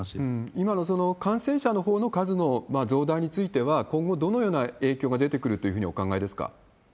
今の感染者のほうの数の増大については、今後、どのような影響が出てくるというふうにお考えですか？